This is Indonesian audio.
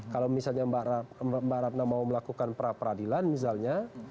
kalau misalnya mbak ratna mau melakukan pra peradilan misalnya